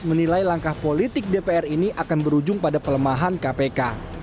menilai langkah politik dpr ini akan berujung pada pelemahan kpk